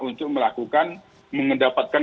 untuk melakukan mengendapatkan